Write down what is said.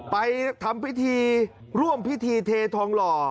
ไปทำพิธีร่วมพิธีเททองหล่อ